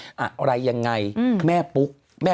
คุณหนุ่มกัญชัยได้เล่าใหญ่ใจความไปสักส่วนใหญ่แล้ว